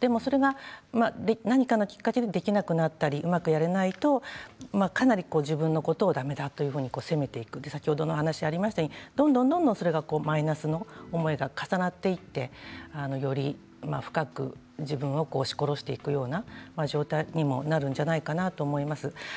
でも、それが何かのきっかけでできなくなったりうまくやれないとかなり自分のことをだめだと責めていくどんどん、どんどんマイナスの思いが重なっていってより深く自分を押し殺していくような状態にもなるんじゃないかなと思います。